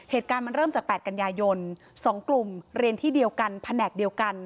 เหตุการณ์มันเริ่มจาก๘กันยายน๒กลุ่มเรียนที่เดียวกันแผนกเดียวกัน